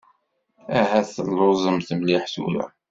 Ahat telluẓemt mliḥ tura.